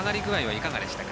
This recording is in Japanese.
いかがでしたか。